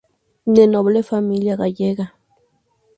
De noble familia gallega.